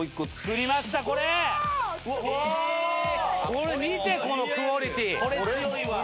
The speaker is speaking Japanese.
これ見てこのクオリティー。